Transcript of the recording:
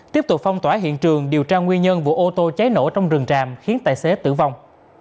tiếp tục phong tỏa hiện trường điều tra nguyên nhân vụ ô tô cháy nổ trong rừng tràm khiến tài xế tử vong